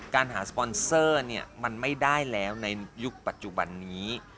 การหาสปอนเซอร์เนี่ยมันไม่ได้แล้วในยุคปัจจุบันนี้